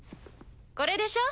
これでしょ？